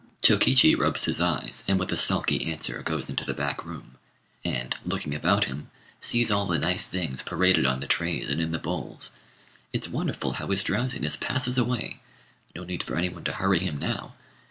Chokichi rubs his eyes, and with a sulky answer goes into the back room, and, looking about him, sees all the nice things paraded on the trays and in the bowls. It's wonderful how his drowsiness passes away: no need for any one to hurry him now.